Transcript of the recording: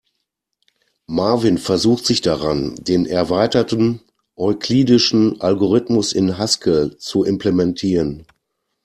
Marvin versucht sich daran, den erweiterten euklidischen Algorithmus in Haskell zu implementieren.